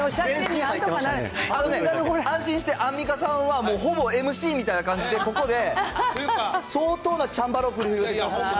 アンミカさんは、もうほぼＭＣみたいな感じで、ここで相当なチャンバラを繰り広げますんで。